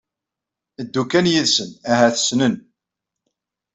Ddu kan yid-sen ahat ssnen